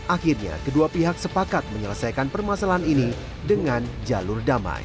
akhirnya kedua pihak sepakat menyelesaikan permasalahan ini dengan jalur damai